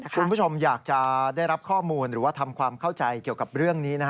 คุณผู้ชมอยากจะได้รับข้อมูลหรือว่าทำความเข้าใจเกี่ยวกับเรื่องนี้